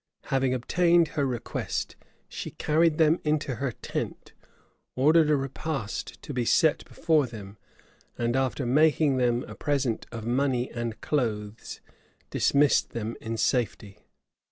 Having obtained her request, she carried them into her tent, ordered a repast to be set before them, and, after making them a present of money and clothes, dismissed them in safety.